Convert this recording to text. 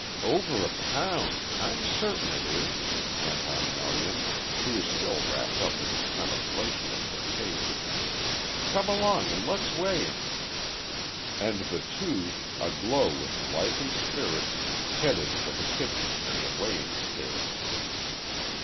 "Over a pound. I'm certain it is," went on Melian, who was still wrapped up in contemplation of the "take". "Come along and let's weigh him." And the two, aglow with life and spirits, headed for the kitchen and the weighing scales.